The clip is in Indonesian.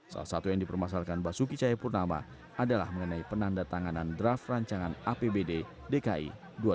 salah satu yang dipermasalahkan basuki cahayapurnama adalah mengenai penanda tanganan draft rancangan apbd dki dua ribu tujuh belas